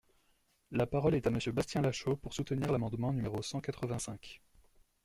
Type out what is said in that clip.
La parole est à Monsieur Bastien Lachaud, pour soutenir l’amendement numéro cent quatre-vingt-cinq.